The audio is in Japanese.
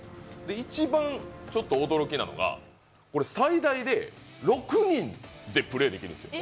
一番驚きなのが、最大で６人でプレーできるんです。